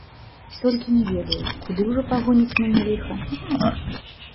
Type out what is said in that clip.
Толькі не ведаю, куды ўжо пагоніць мяне ліха.